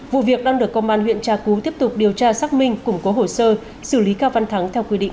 vụ việc đang được công an huyện tra cú tiếp tục điều tra xác minh củng cố hồ sơ xử lý cao văn thắng theo quy định